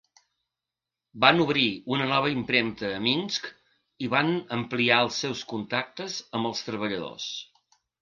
Van obrir una nova impremta a Minsk i van ampliar els seus contactes amb els treballadors.